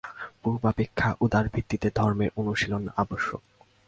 পূর্বাপেক্ষা উদার ভিত্তিতে ধর্মের অনুশীলন আবশ্যক।